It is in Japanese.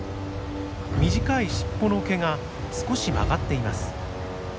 短い尻尾の毛が少し曲がっています。